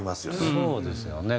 そうですよね。